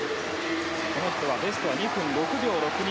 この人はベストは２分６秒６２。